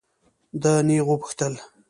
ده نېغ وپوښتل.